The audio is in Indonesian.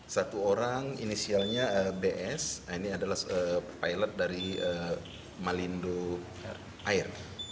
satu orang inisialnya bs ini adalah pilot dari malindo air